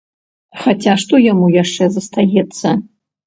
Хаця што яму яшчэ застаецца.